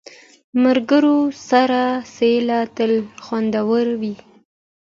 د ملګرو سره سیل تل خوندور وي.